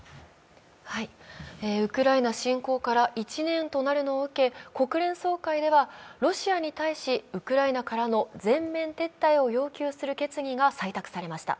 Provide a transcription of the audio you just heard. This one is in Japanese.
ウクライナ侵攻から１年となるのを受け、国連総会ではロシアに対し、ウクライナからの全面撤退を要求する決議が採択されました。